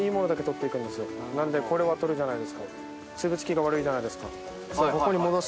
なんでこれは取るじゃないですか。